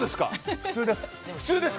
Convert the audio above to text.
普通です。